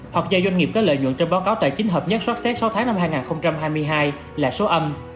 hoặc do doanh nghiệp có lợi nhuận trong báo cáo tài chính hợp nhất xót xét sáu tháng năm hai nghìn hai mươi hai là số âm